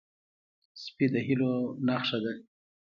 سپي د هیلو نښه ده.